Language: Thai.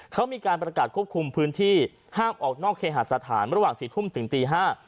เขามีการประกาศควบคุมพื้นที่ห้ามออกนอกเคหาสถานระหว่างสี่ทุ่มถึงตีห้า